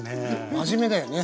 真面目だよね。